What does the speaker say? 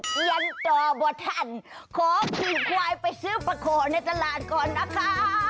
ยันตอบว่าท่านขอขี่ควายไปซื้อประโขในตลาดก่อนนะคะ